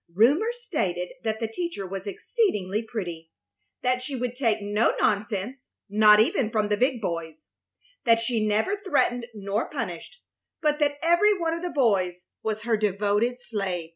Rumor stated that the teacher was exceedingly pretty; that she would take no nonsense, not even from the big boys; that she never threatened nor punished, but that every one of the boys was her devoted slave.